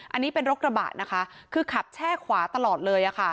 อันนี้เป็นรถกระบะนะคะคือขับแช่ขวาตลอดเลยค่ะ